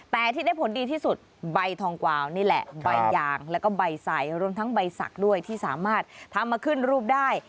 แต่ที่ได้ผลดีที่สุดใบทองกวาวนี่แหละใบยางแล้วก็ใบใสรวมทั้งใบสักด้วยที่สามารถทำมาขึ้นรูปได้